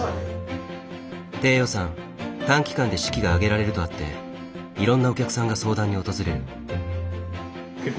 低予算短期間で式が挙げられるとあっていろんなお客さんが相談に訪れる。